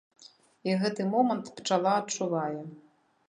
І гэты момант пчала адчувае.